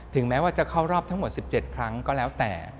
แม้ว่าจะเข้ารอบทั้งหมด๑๗ครั้งก็แล้วแต่